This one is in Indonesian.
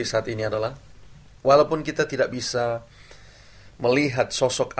mari berjalan ke sion